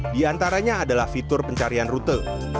di antaranya adalah fitur pencarian rute